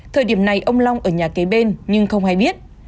thời điểm này ông long ở nhà kế bên nhưng không hay biết